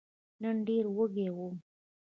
نن ډېر وږی وم !